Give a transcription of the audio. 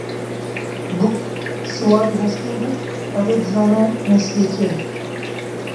Bûk siwarî hespê bû, Xwedê dizane nisîbê kê bû.